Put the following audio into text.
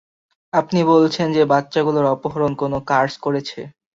আপনি বলছেন যে বাচ্চাগুলোর অপহরণ কোনো কার্স করেছে?